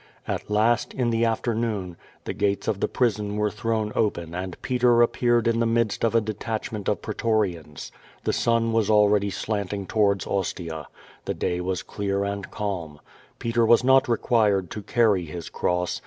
At last, in the afternoon, the gates of the QUO VADIS. 493 prison were thrown open and Peter appeared in the midst of a detachment of pretorians. The sun was already slant ing towards Ostia; the day was clear and calm. Peter was not reqiiir|jd to carry his cross.